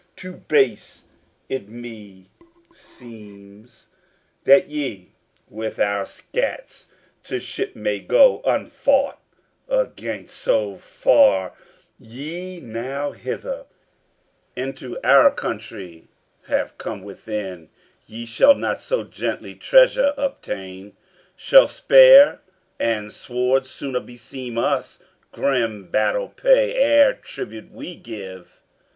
Too base it me seems That ye with our scats to ship may go Unfought against, so far ye now hither Into our country have come within; Ye shall not so gently treasure obtain; Shall spear and sword sooner beseem us, Grim battle play, ere tribute we give."